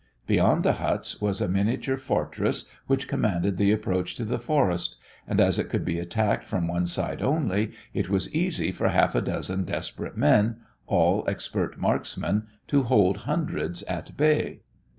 Beyond the huts was a miniature fortress which commanded the approach to the forest, and, as it could be attacked from one side only, it was easy for half a dozen desperate men, all expert marksmen, to hold hundreds at bay.